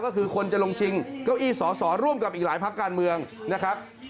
ก็คือคนจะลงชิงเก้าอี้สอสอร่วมกับอีกหลายพักการเมืองนะครับ